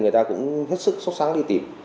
người ta cũng hết sức sốc sáng đi tìm